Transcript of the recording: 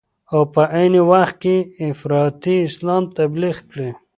او په عین وخت کې افراطي اسلام تبلیغ کړي.